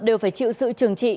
đều phải chịu sự trường trị